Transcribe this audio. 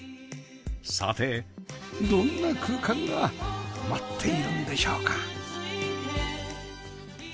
さてどんな空間が待っているんでしょうか？